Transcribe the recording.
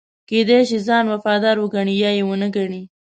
کېدای شي ځان وفادار وګڼي یا یې ونه ګڼي.